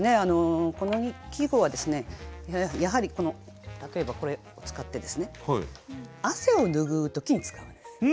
この季語はですねやはり例えばこれを使ってですね汗を拭う時に使うんです。